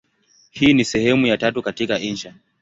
Hii ni sehemu ya tatu katika insha.